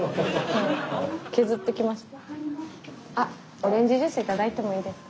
あオレンジジュース頂いてもいいですか。